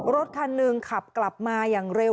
รถคันหนึ่งขับกลับมาอย่างเร็ว